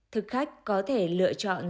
thực khách có thể lựa chọn